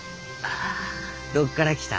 どっから来た？